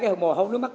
cái hồn hồn nước mắt